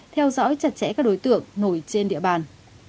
theo dõi chặt chẽ các đối tượng nổi trên địa bàn